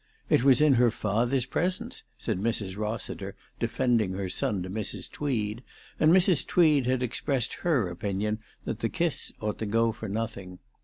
" It was in her father's presence/ 1 said Mrs. Hossiter, defending her son to Mrs. Tweed, and Mrs. Tweed had expressed her opinion that the kiss ought to go for nothing.